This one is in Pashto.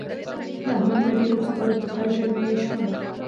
د احمد له ډېرو خبرو څخه ژبۍ شوه.